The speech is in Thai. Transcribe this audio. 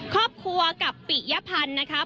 ครอบครัวกับปิยพันธ์นะคะ